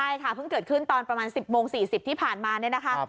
ใช่ค่ะเพิ่งเกิดขึ้นตอนประมาณ๑๐โมง๔๐ที่ผ่านมาเนี่ยนะคะ